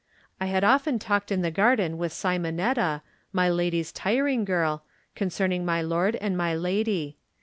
I had often talked in the garden with Simon etta, my lady's tiring girl, concerning my lord and my lady.